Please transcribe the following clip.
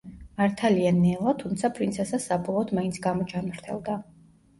მართალია ნელა, თუმცა პრინცესა საბოლოოდ მაინც გამოჯანმრთელდა.